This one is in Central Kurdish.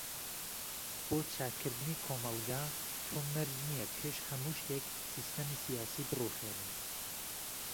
بۆ چاکردنی کۆمەلگا تۆ مەرج نییە پێش هەمو شتێك سیستەمی سیاسی بروخێنی.